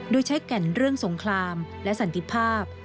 โดยใช้แก่นเรื่องสงครามและสันติภาพ